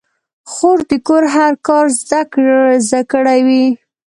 خور د کور هر کار زده کړی وي.